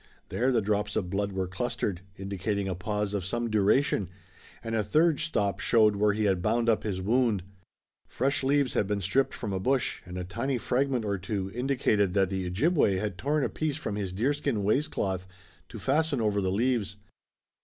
There the drops of blood were clustered, indicating a pause of some duration, and a third stop showed where he had bound up his wound. Fresh leaves had been stripped from a bush and a tiny fragment or two indicated that the Ojibway had torn a piece from his deerskin waistcloth to fasten over the leaves.